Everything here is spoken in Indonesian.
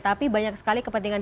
tapi banyak sekali kepentingan